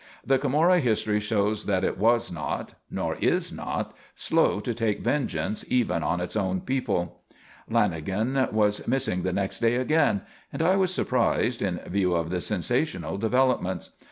The Camorra history shows that it was not nor is not slow to take vengeance even on its own people. Lanagan was missing the next day again, and I was surprised, in view of the sensational developments.